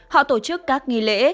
họ tổ chức các nghi lễ